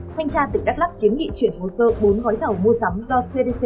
thanh tra tỉnh đắk lắk kiếm nghị chuyển hồ sơ bốn hói thẩu mua sắm do cdc